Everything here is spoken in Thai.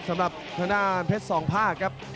สำหรับทางด้านเพชรสองภาคครับ